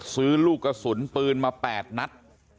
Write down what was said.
ซื้อลูกกระสุนปืนมา๘นัด